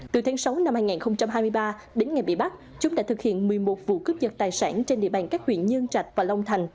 từ tháng sáu năm hai nghìn hai mươi ba đến ngày bị bắt chúng đã thực hiện một mươi một vụ cướp giật tài sản trên địa bàn các huyện nhân trạch và long thành